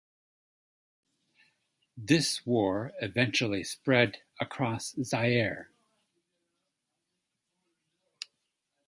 This war eventually spread across Zaire.